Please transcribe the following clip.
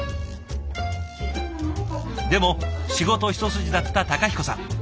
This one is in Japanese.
でも仕事一筋だった孝彦さん。